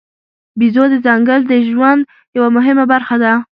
بیزو د ځنګل د ژوند یوه مهمه برخه ده.